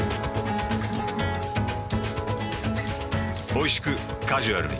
おいしくカジュアルに。